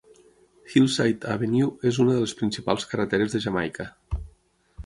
Hillside Avenue és una de les principals carreteres de Jamaica.